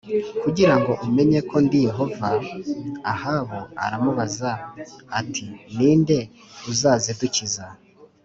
kugira ngo umenye ko ndi Yehova Ahabu aramubaza ati ni nde uzazidukiza